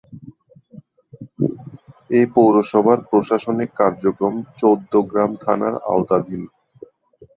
এ পৌরসভার প্রশাসনিক কার্যক্রম চৌদ্দগ্রাম থানার আওতাধীন।